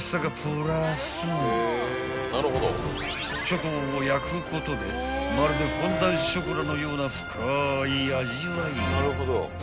［チョコを焼くことでまるでフォンダンショコラのような深い味わいに］